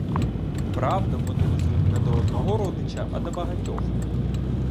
Правда, вони везуть не до одного родича, а до багатьох.